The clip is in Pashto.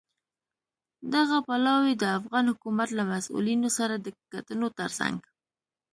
دغه پلاوی د افغان حکومت له مسوولینو سره د کتنو ترڅنګ